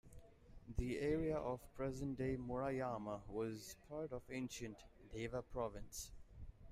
The area of present-day Murayama was part of ancient Dewa Province.